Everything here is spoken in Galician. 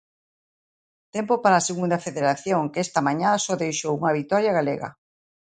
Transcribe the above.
Tempo para a Segunda Federación, que esta mañá só deixou unha vitoria galega.